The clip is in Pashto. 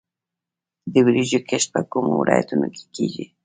د وریجو کښت په کومو ولایتونو کې کیږي؟